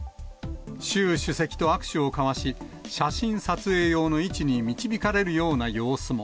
習主席と握手を交わし、写真撮影用の位置に導かれるような様子も。